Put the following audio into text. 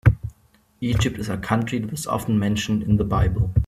Egypt is a country that is often mentioned in the Bible.